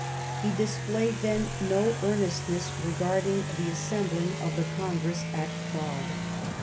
He displayed then no earnestness regarding the assembling of the Congress at Prague.